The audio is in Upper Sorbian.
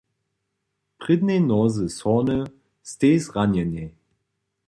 Prědnjej noze sorny stej zranjenej.